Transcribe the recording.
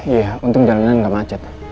iya untung jalanan nggak macet